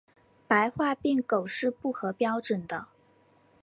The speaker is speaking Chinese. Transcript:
白化病狗是不合标准的。